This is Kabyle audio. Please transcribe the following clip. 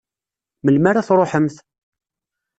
Melmi ara tṛuḥemt?